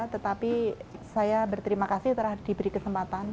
tetapi saya berterima kasih telah diberi kesempatan